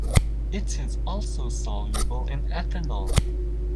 It is also soluble in ethanol.